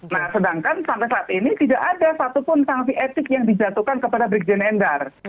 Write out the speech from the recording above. nah sedangkan sampai saat ini tidak ada satupun sanksi etik yang dijatuhkan kepada brigjen endar